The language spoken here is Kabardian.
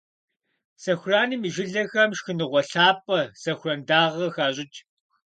Сэхураным и жылэхэм шхыныгъуэ лъапӀэ - сэхуран дагъэ - къыхащӀыкӀ.